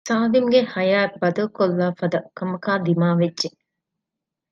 ސާލިމްގެ ހަޔާތް ބަދަލުކޮށްލާފަދަ ކަމަކާ ދިމާވެއްޖެ